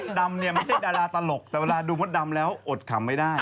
ดำเนี่ยไม่ใช่ดาราตลกแต่เวลาดูมดดำแล้วอดขำไม่ได้